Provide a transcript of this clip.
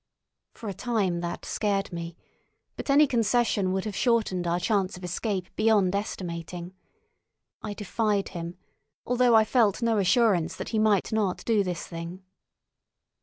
For a time that scared me; but any concession would have shortened our chance of escape beyond estimating. I defied him, although I felt no assurance that he might not do this thing.